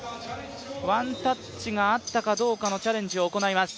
ワンタッチがあったかどうかのチャレンジを行います。